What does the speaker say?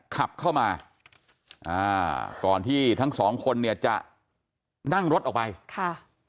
ขับเข้ามาอ่าก่อนที่ทั้งสองคนเนี่ยจะนั่งรถออกไปค่ะ